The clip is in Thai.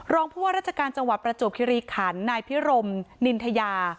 รองผู้ว่าราชการจังหวัดประจวบคิริขันนายพิรมนินทยา